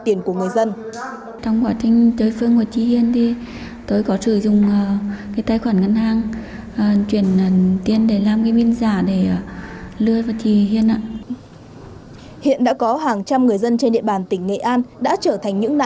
tiền của người dân hiện đã có hàng trăm người dân trên địa bàn tỉnh nghệ an đã trở thành những nạn